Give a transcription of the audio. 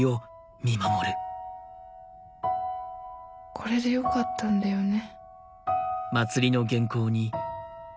「これで良かったんだよね？」。